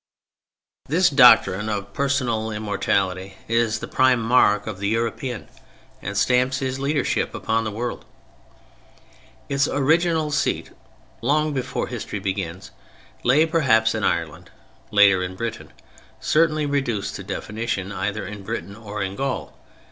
This doctrine of personal immortality is the prime mark of the European and stamps his leadership upon the world. Its original seat—long before history begins—lay perhaps in Ireland, later in Britain, certainly reduced to definition either in Britain or in Gaul.